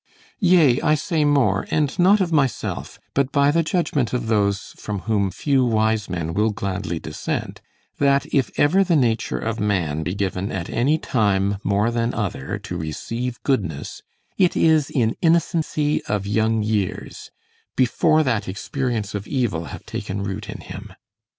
Yea, I say more, and not of myself, but by the judgment of those from whom few wise men will gladly dissent; that if ever the nature of man be given at any time, more than other, to receive goodness, it is in innocency of young years, before that experience of evil have taken root in him.